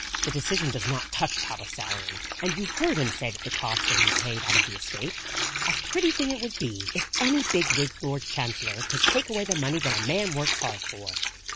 "The decision does not touch papa's salary; and you heard him say that the costs were to be paid out of the estate. A pretty thing it would be if any big wigged Lord Chancellor could take away the money that a man works hard for!"